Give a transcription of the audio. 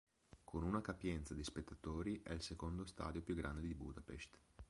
Con una capienza di spettatori è il secondo stadio più grande di Budapest.